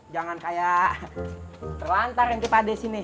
jangan kayak terlantar entipade sini